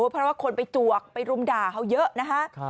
เพราะว่าคนไปจวกไปรุมด่าเขาเยอะนะคะ